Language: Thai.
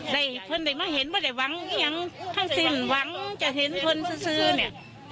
ได้คนได้มาเห็นว่าได้หวังยังห้ามสิ้นหวังจะเห็นคนซะซื้อเนี่ย